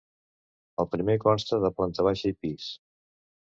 El primer consta de planta baixa i pis.